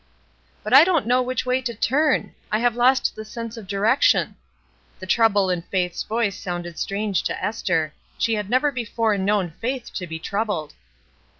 "But I don't know which way to turn; I have lost the sense of direction." The trouble in Faith's voice sounded strange to Esther ; she had never before known Faith to be troubled.